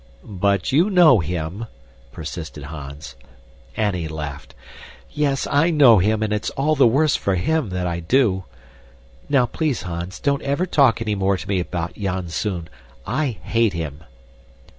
"But you KNOW him," persisted Hans. Annie laughed, "Yes, I know him, and it's all the worse for him that I do. Now, please, Hans, don't ever talk any more to me about Janzoon. I hate him!"